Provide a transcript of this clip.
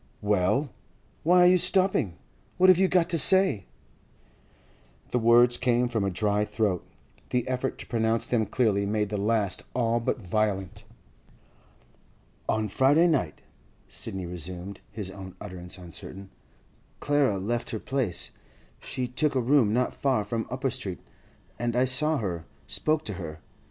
'Well? Why are you stopping? What have you got to say?' The words came from a dry throat; the effort to pronounce them clearly made the last all but violent. 'On Friday night,' Sidney resumed, his own utterance uncertain, 'Clara left her place. She took a room not far from Upper Street, and I saw her, spoke to her.